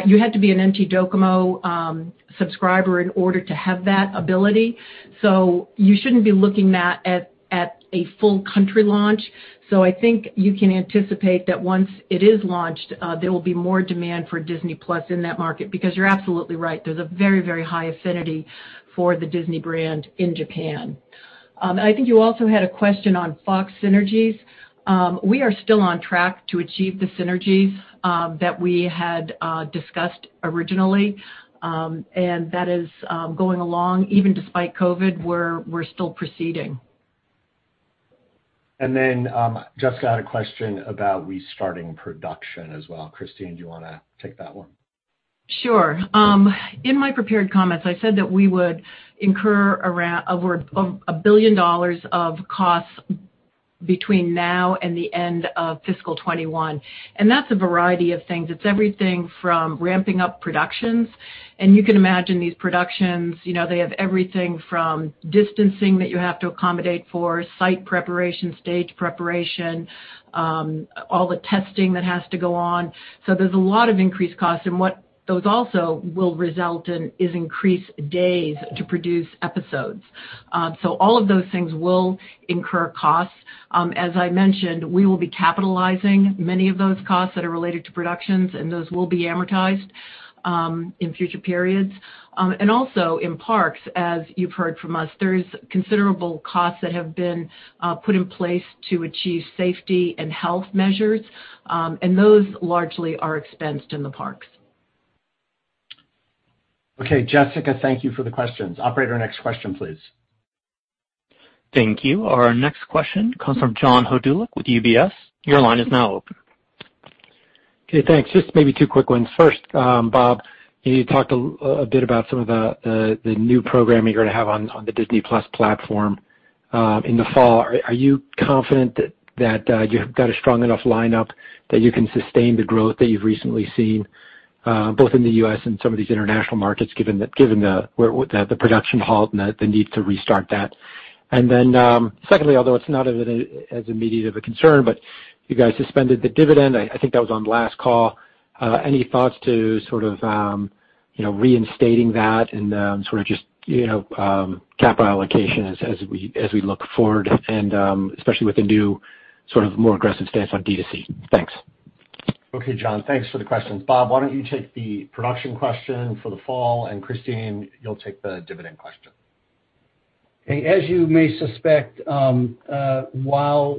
You had to be an NTT DOCOMO subscriber in order to have that ability. You shouldn't be looking at that as a full country launch. I think you can anticipate that once it is launched, there will be more demand for Disney+ in that market, because you're absolutely right, there's a very high affinity for the Disney brand in Japan. I think you also had a question on FOX synergies. We are still on track to achieve the synergies that we had discussed originally, and that is going along even despite COVID. We're still proceeding. Jessica had a question about restarting production as well. Christine, do you want to take that one? Sure. In my prepared comments, I said that we would incur around $1 billion of costs between now and the end of fiscal 2021. That's a variety of things. It's everything from ramping up productions. You can imagine these productions, they have everything from distancing that you have to accommodate for, site preparation, stage preparation, all the testing that has to go on. There's a lot of increased costs. What those also will result in is increased days to produce episodes. All of those things will incur costs. As I mentioned, we will be capitalizing many of those costs that are related to productions, and those will be amortized in future periods. Also in parks, as you've heard from us, there is considerable costs that have been put in place to achieve safety and health measures. Those largely are expensed in the parks. Okay, Jessica, thank you for the questions. Operator, next question, please. Thank you. Our next question comes from John Hodulik with UBS. Your line is now open. Okay, thanks. Just maybe two quick ones. First, Bob, you talked a little bit about some of the new programming you're going to have on the Disney+ platform in the fall. Are you confident that you've got a strong enough lineup that you can sustain the growth that you've recently seen, both in the U.S. and some of these international markets, given the production halt and the need to restart that? Secondly, although it's not as immediate of a concern, but you guys suspended the dividend. I think that was on the last call. Any thoughts to reinstating that and just capital allocation as we look forward and especially with the new more aggressive stance on DTC? Thanks. Okay, John. Thanks for the questions. Bob, why don't you take the production question for the fall, and Christine, you'll take the dividend question. Okay. As you may suspect, while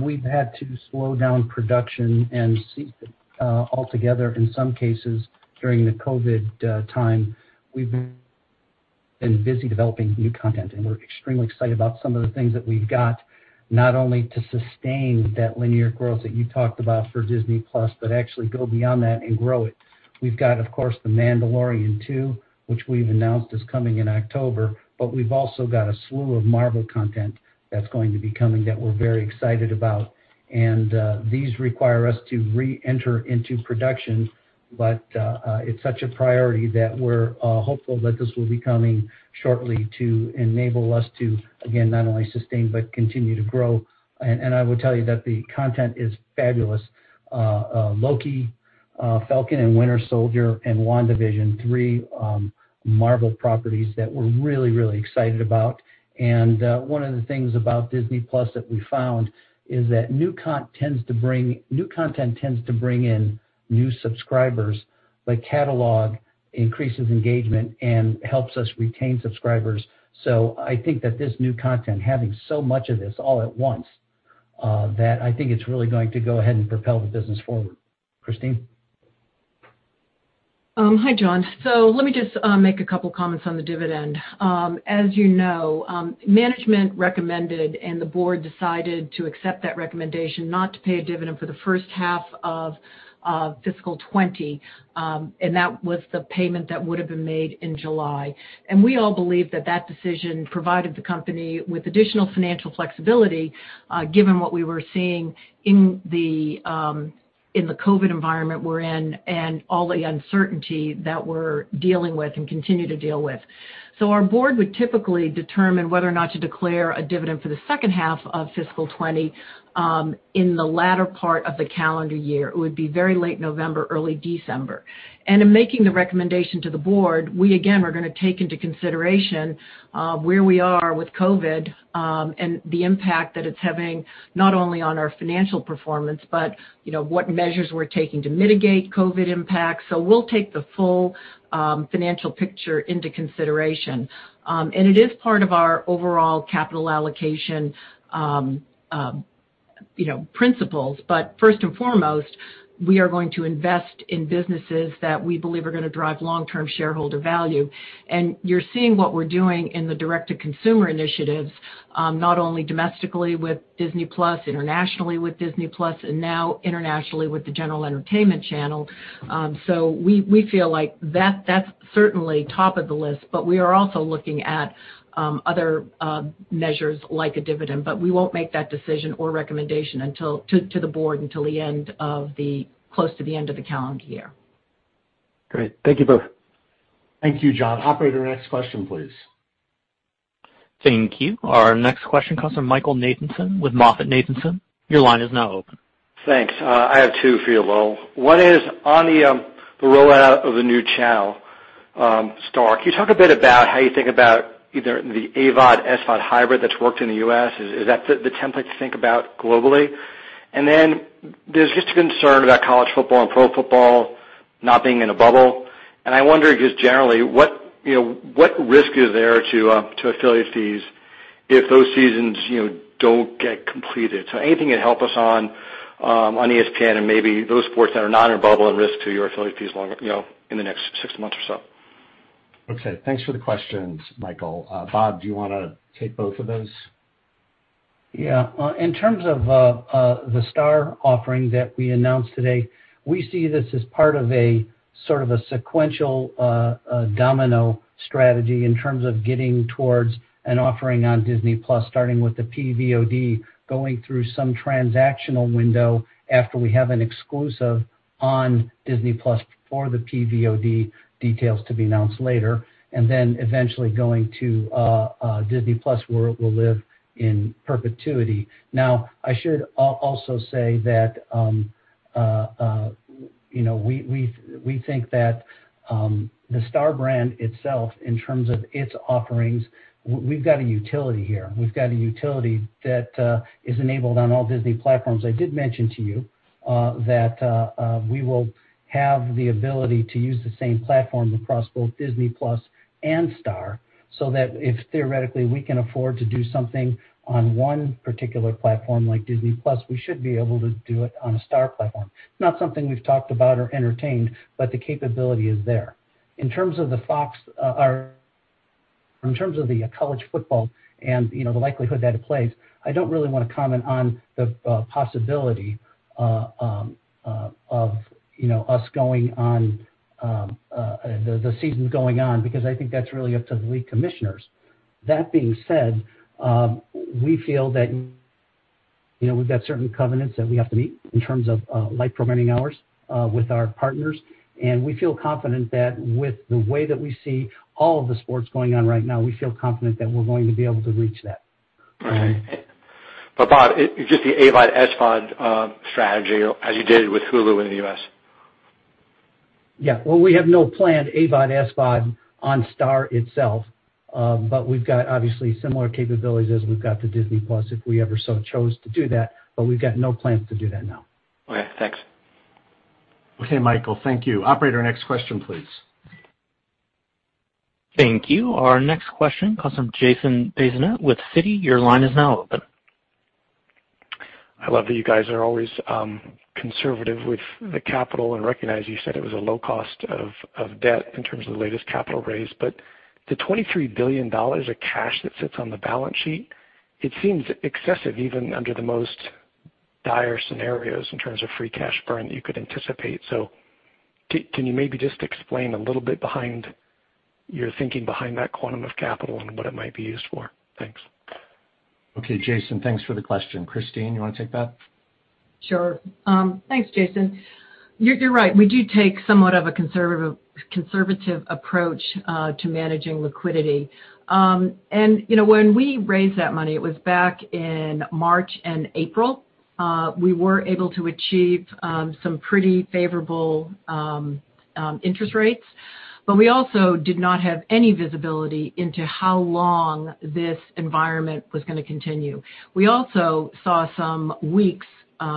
we've had to slow down production and cease altogether in some cases during the COVID time, we've been busy developing new content, and we're extremely excited about some of the things that we've got, not only to sustain that linear growth that you talked about for Disney+, but actually go beyond that and grow it. We've got, of course, "The Mandalorian 2," which we've announced is coming in October. We've also got a slew of Marvel content that's going to be coming that we're very excited about. These require us to reenter into production. It's such a priority that we're hopeful that this will be coming shortly to enable us to, again, not only sustain, but continue to grow. I will tell you that the content is fabulous. Loki," "Falcon and Winter Soldier," and "WandaVision," three Marvel properties that we're really excited about. One of the things about Disney+ that we found is that new content tends to bring in new subscribers, but catalog increases engagement and helps us retain subscribers. I think that this new content, having so much of this all at once, that I think it's really going to go ahead and propel the business forward. Christine? Hi, John. Let me just make a couple of comments on the dividend. As you know, management recommended and the board decided to accept that recommendation not to pay a dividend for the first half of fiscal 2020, and that was the payment that would have been made in July. We all believe that that decision provided the company with additional financial flexibility, given what we were seeing in the COVID-19 environment we're in and all the uncertainty that we're dealing with and continue to deal with. Our board would typically determine whether or not to declare a dividend for the second half of fiscal 2020 in the latter part of the calendar year. It would be very late November, early December. In making the recommendation to the board, we again are going to take into consideration where we are with COVID and the impact that it's having, not only on our financial performance, but what measures we're taking to mitigate COVID impacts. We'll take the full financial picture into consideration. It is part of our overall capital allocation principles. First and foremost, we are going to invest in businesses that we believe are going to drive long-term shareholder value. You're seeing what we're doing in the Direct-to-Consumer initiatives, not only domestically with Disney+, internationally with Disney+, and now internationally with the general entertainment channel. We feel like that's certainly top of the list, but we are also looking at other measures like a dividend. We won't make that decision or recommendation to the board until close to the end of the calendar year. Great. Thank you both. Thank you, John. Operator, next question, please. Thank you. Our next question comes from Michael Nathanson with MoffettNathanson. Your line is now open. Thanks. I have two for you, Lowell. One is on the rollout of the new channel, Star. Can you talk a bit about how you think about either the AVOD/SVOD hybrid that's worked in the U.S.? Is that the template to think about globally? There's just a concern about college football and pro football not being in a bubble. I wonder just generally what risk is there to affiliate fees if those seasons don't get completed. Anything that help us on ESPN and maybe those sports that are not in a bubble and risk to your affiliate fees in the next six months or so. Okay. Thanks for the questions, Michael. Bob, do you want to take both of those? Yeah. In terms of the Star offering that we announced today, we see this as part of a sort of a sequential domino strategy in terms of getting towards an offering on Disney+, starting with the PVOD, going through some transactional window after we have an exclusive on Disney+ for the PVOD, details to be announced later. Then eventually going to Disney+, where it will live in perpetuity. I should also say that we think that the Star brand itself, in terms of its offerings, we've got a utility here. We've got a utility that is enabled on all Disney platforms. I did mention to you that we will have the ability to use the same platform across both Disney+ and Star, so that if theoretically we can afford to do something on one particular platform like Disney+, we should be able to do it on a Star platform. It's not something we've talked about or entertained, but the capability is there. In terms of the college football and the likelihood that it plays, I don't really want to comment on the possibility of the season going on, because I think that's really up to the league commissioners. That being said, we've got certain covenants that we have to meet in terms of live programming hours with our partners, and we feel confident that with the way that we see all of the sports going on right now, we feel confident that we're going to be able to reach that. Right. Bob, just the AVOD/SVOD strategy as you did with Hulu in the U.S. Yeah. Well, we have no planned AVOD/SVOD on Star itself. We've got obviously similar capabilities as we've got to Disney+ if we ever so chose to do that, but we've got no plans to do that now. Okay, thanks. Okay, Michael, thank you. Operator, next question, please. Thank you. Our next question comes from Jason Bazinet with Citi. Your line is now open. I love that you guys are always conservative with the capital and recognize you said it was a low cost of debt in terms of the latest capital raise. The $23 billion of cash that sits on the balance sheet, it seems excessive even under the most dire scenarios in terms of free cash burn you could anticipate. Can you maybe just explain a little bit behind your thinking behind that quantum of capital and what it might be used for? Thanks. Okay, Jason. Thanks for the question. Christine, you want to take that? Sure. Thanks, Jason. You're right. We do take somewhat of a conservative approach to managing liquidity. When we raised that money, it was back in March and April. We were able to achieve some pretty favorable interest rates. We also did not have any visibility into how long this environment was going to continue. We also saw some weeks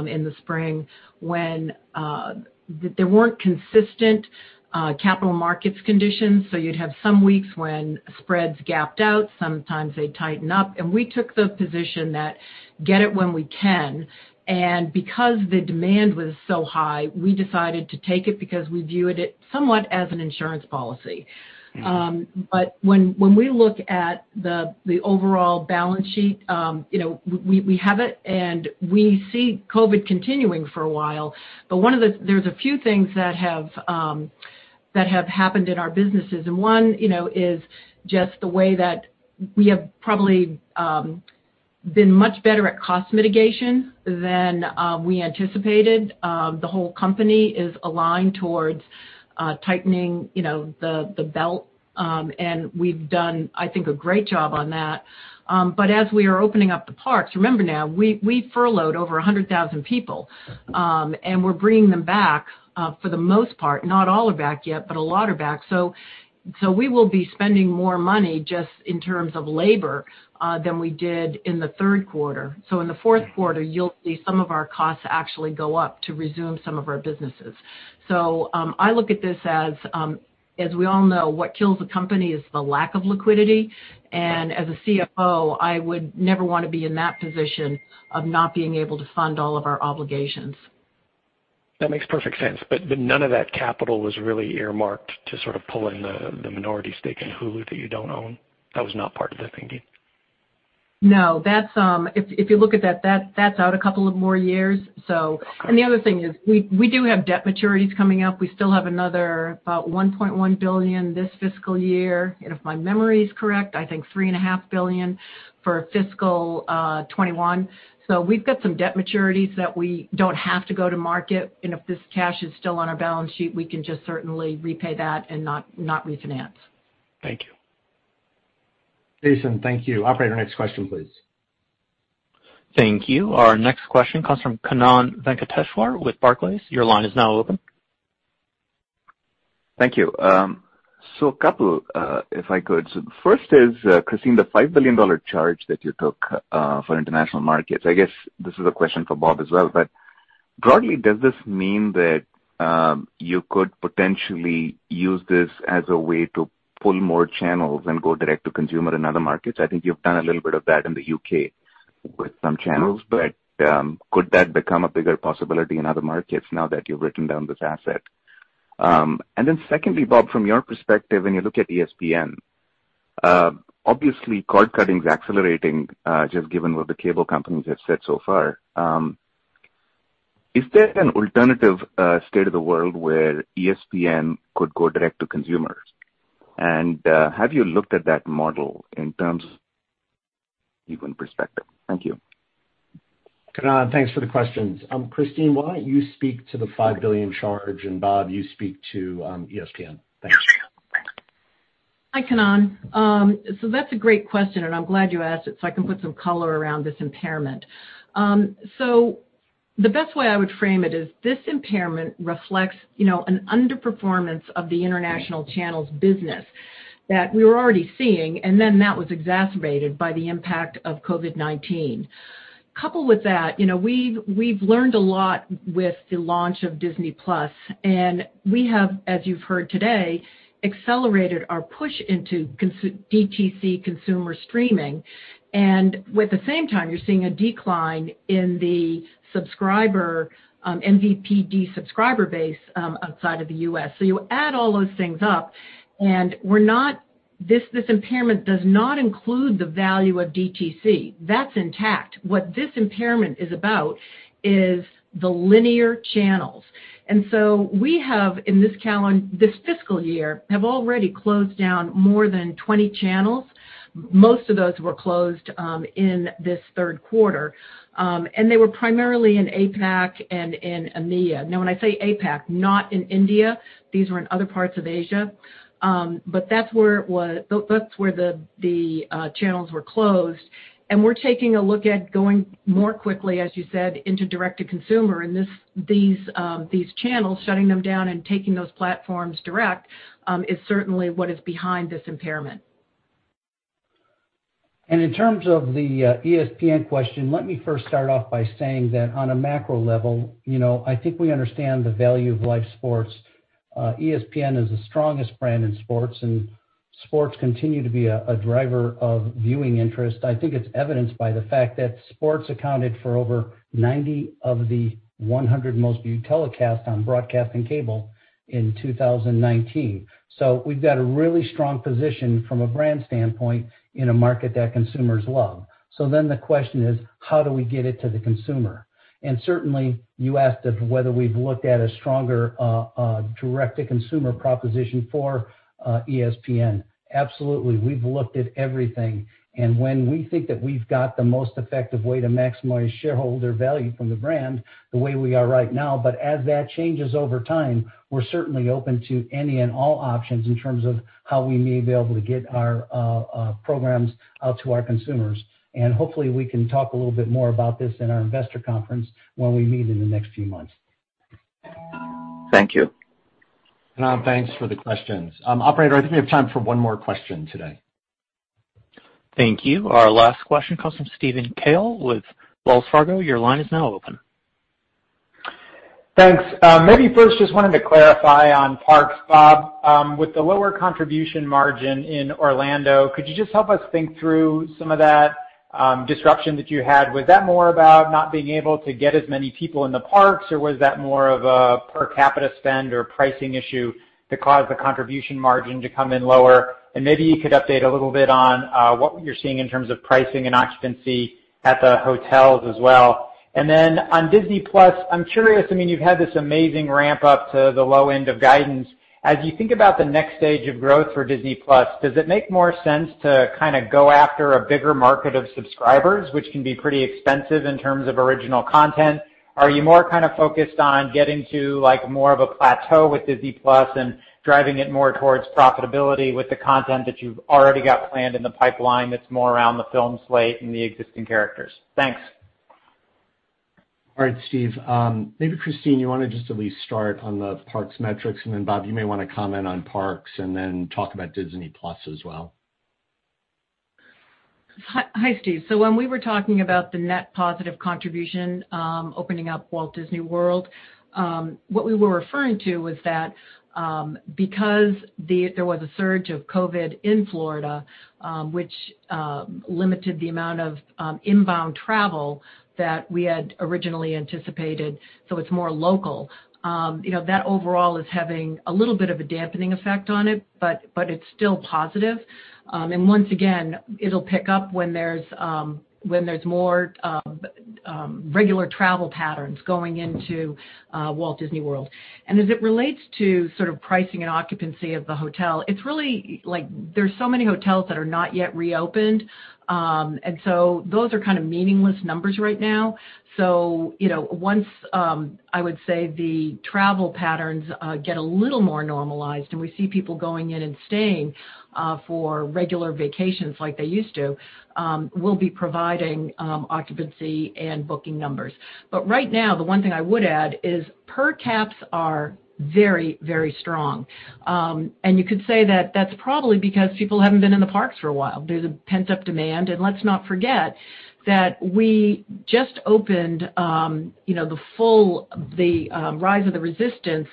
in the spring when there weren't consistent capital markets conditions. You'd have some weeks when spreads gapped out. Sometimes they'd tighten up. We took the position that get it when we can. Because the demand was so high, we decided to take it because we viewed it somewhat as an insurance policy. When we look at the overall balance sheet, we have it and we see COVID continuing for a while. There's a few things that have happened in our businesses. One is just the way that we have probably been much better at cost mitigation than we anticipated. The whole company is aligned towards tightening the belt and we've done, I think, a great job on that. As we are opening up the parks, remember now, we furloughed over 100,000 people, and we're bringing them back for the most part. Not all are back yet, but a lot are back. We will be spending more money just in terms of labor than we did in the third quarter. In the fourth quarter, you'll see some of our costs actually go up to resume some of our businesses. I look at this as we all know, what kills a company is the lack of liquidity. As a CFO, I would never want to be in that position of not being able to fund all of our obligations. That makes perfect sense. None of that capital was really earmarked to sort of pull in the minority stake in Hulu that you don't own. That was not part of the thinking. No. If you look at that's out a couple of more years. The other thing is we do have debt maturities coming up. We still have another about $1.1 billion this fiscal year. If my memory is correct, I think $3.5 billion for fiscal 2021. We've got some debt maturities that we don't have to go to market, and if this cash is still on our balance sheet, we can just certainly repay that and not refinance. Thank you. Jason, thank you. Operator, next question, please. Thank you. Our next question comes from Kannan Venkateshwar with Barclays. Your line is now open. Thank you. A couple if I could. The first is, Christine, the $5 billion charge that you took for international markets. I guess this is a question for Bob as well, but broadly, does this mean that you could potentially use this as a way to pull more channels and go Direct-to-Consumer in other markets? I think you've done a little bit of that in the U.K. with some channels. Could that become a bigger possibility in other markets now that you've written down this asset? Secondly, Bob, from your perspective, when you look at ESPN, obviously cord cutting is accelerating just given what the cable companies have said so far. Is there an alternative state of the world where ESPN could go direct to consumers? Have you looked at that model in terms of even perspective? Thank you. Kannan, thanks for the questions. Christine, why don't you speak to the $5 billion charge, and Bob, you speak to ESPN. Thanks. Hi, Kannan. That's a great question, and I'm glad you asked it so I can put some color around this impairment. The best way I would frame it is this impairment reflects an underperformance of the international channels business that we were already seeing, and then that was exacerbated by the impact of COVID-19. Coupled with that, we've learned a lot with the launch of Disney+, and we have, as you've heard today, accelerated our push into DTC consumer streaming. At the same time, you're seeing a decline in the MVPD subscriber base outside of the U.S. You add all those things up, and this impairment does not include the value of DTC. That's intact. What this impairment is about is the linear channels. We have, in this fiscal year, have already closed down more than 20 channels. Most of those were closed in this third quarter. They were primarily in APAC and in EMEA. When I say APAC, not in India. These were in other parts of Asia. That's where the channels were closed. We're taking a look at going more quickly, as you said, into Direct-to-Consumer. These channels, shutting them down and taking those platforms direct is certainly what is behind this impairment. In terms of the ESPN question, let me first start off by saying that on a macro level, I think we understand the value of live sports. ESPN is the strongest brand in sports, and sports continue to be a driver of viewing interest. I think it's evidenced by the fact that sports accounted for over 90 of the 100 most viewed telecasts on broadcast and cable in 2019. We've got a really strong position from a brand standpoint in a market that consumers love. The question is, how do we get it to the consumer? Certainly, you asked if whether we've looked at a stronger Direct-to-Consumer proposition for ESPN. Absolutely. We've looked at everything. When we think that we've got the most effective way to maximize shareholder value from the brand the way we are right now, but as that changes over time, we're certainly open to any and all options in terms of how we may be able to get our programs out to our consumers. Hopefully, we can talk a little bit more about this in our investor conference when we meet in the next few months. Thank you. Kannan, thanks for the questions. Operator, I think we have time for one more question today. Thank you. Our last question comes from Steven Cahall with Wells Fargo. Your line is now open. Thanks. Maybe first, just wanted to clarify on parks, Bob. With the lower contribution margin in Orlando, could you just help us think through some of that disruption that you had? Was that more about not being able to get as many people in the parks, or was that more of a per capita spend or pricing issue that caused the contribution margin to come in lower? Maybe you could update a little bit on what you're seeing in terms of pricing and occupancy at the hotels as well. Then on Disney+, I'm curious, you've had this amazing ramp-up to the low end of guidance. As you think about the next stage of growth for Disney+, does it make more sense to go after a bigger market of subscribers, which can be pretty expensive in terms of original content? Are you more focused on getting to more of a plateau with Disney+ and driving it more towards profitability with the content that you've already got planned in the pipeline that's more around the film slate and the existing characters? Thanks. All right, Steve. Maybe Christine, you want to just at least start on the parks metrics, and then Bob, you may want to comment on parks and then talk about Disney+ as well. Hi, Steve. When we were talking about the net positive contribution opening up Walt Disney World, what we were referring to was that because there was a surge of COVID in Florida, which limited the amount of inbound travel that we had originally anticipated, so it's more local. That overall is having a little bit of a dampening effect on it, but it's still positive. Once again, it'll pick up when there's more regular travel patterns going into Walt Disney World. As it relates to pricing and occupancy of the hotel, there's so many hotels that are not yet reopened, and so those are meaningless numbers right now. Once, I would say, the travel patterns get a little more normalized and we see people going in and staying for regular vacations like they used to, we'll be providing occupancy and booking numbers. Right now, the one thing I would add is per caps are very strong. You could say that that's probably because people haven't been in the parks for a while. There's a pent-up demand. Let's not forget that we just opened the Rise of the Resistance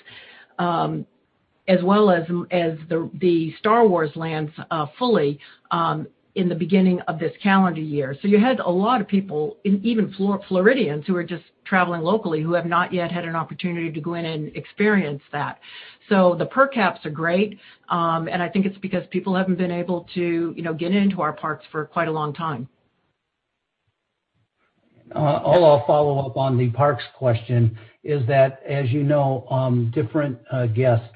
as well as the Star Wars lands fully in the beginning of this calendar year. You had a lot of people, even Floridians who are just traveling locally who have not yet had an opportunity to go in and experience that. The per caps are great, and I think it's because people haven't been able to get into our parks for quite a long time. I'll follow up on the parks question is that, as you know, different guests,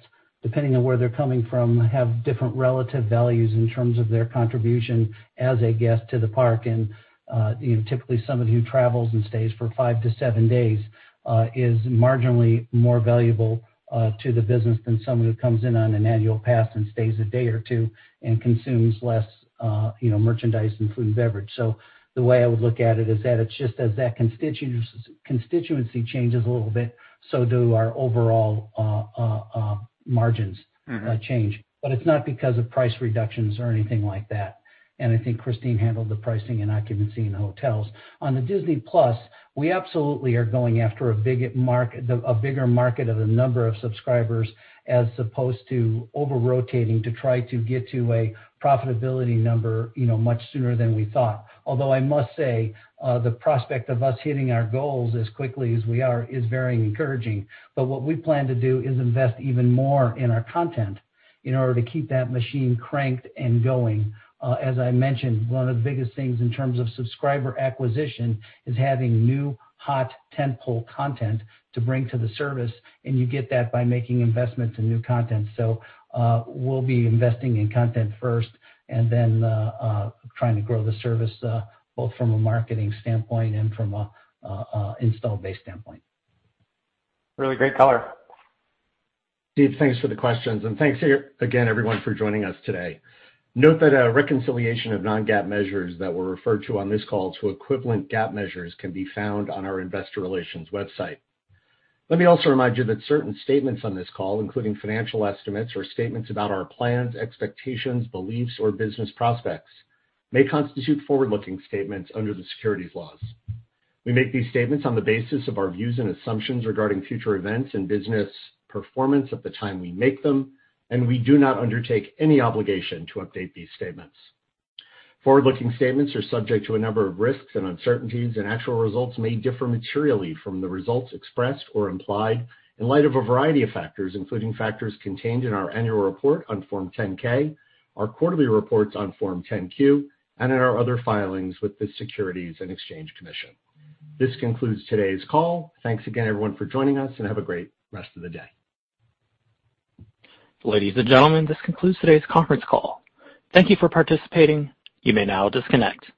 depending on where they're coming from, have different relative values in terms of their contribution as a guest to the park. Typically, someone who travels and stays for five to seven days is marginally more valuable to the business than someone who comes in on an annual pass and stays a day or two and consumes less merchandise and food and beverage. The way I would look at it is that it's just as that constituency changes a little bit, so do our overall margins change. It's not because of price reductions or anything like that. I think Christine handled the pricing and occupancy in the hotels. On Disney+, we absolutely are going after a bigger market of the number of subscribers as opposed to over-rotating to try to get to a profitability number much sooner than we thought. I must say, the prospect of us hitting our goals as quickly as we are is very encouraging. What we plan to do is invest even more in our content in order to keep that machine cranked and going. As I mentioned, one of the biggest things in terms of subscriber acquisition is having new hot tentpole content to bring to the service, and you get that by making investments in new content. We'll be investing in content first and then trying to grow the service, both from a marketing standpoint and from an install base standpoint. Really great color. Steve, thanks for the questions and thanks again everyone for joining us today. Note that a reconciliation of non-GAAP measures that were referred to on this call to equivalent GAAP measures can be found on our investor relations website. Let me also remind you that certain statements on this call, including financial estimates or statements about our plans, expectations, beliefs, or business prospects, may constitute forward-looking statements under the securities laws. We make these statements on the basis of our views and assumptions regarding future events and business performance at the time we make them, and we do not undertake any obligation to update these statements. Forward-looking statements are subject to a number of risks and uncertainties, and actual results may differ materially from the results expressed or implied in light of a variety of factors, including factors contained in our annual report on Form 10-K, our quarterly reports on Form 10-Q, and in our other filings with the Securities and Exchange Commission. This concludes today's call. Thanks again, everyone, for joining us, and have a great rest of the day. Ladies and gentlemen, this concludes today's conference call. Thank you for participating. You may now disconnect.